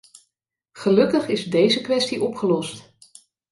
Gelukkig is deze kwestie opgelost.